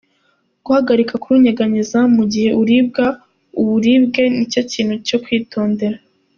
Guhagarika kurunyeganyeza mu gihe uribwa, uburibwe ni ikintu cyo kwitondera.